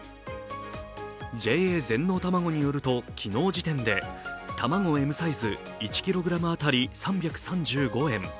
ＪＡ全農たまごによると昨日時点で卵Ｍサイズ１ｋｇ当たり３３５円。